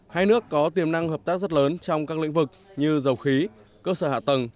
hai nước có tiềm năng hợp tác rất lớn trong các lĩnh vực như dầu khí cơ sở hạ tầng